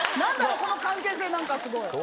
この関係性何かすごい。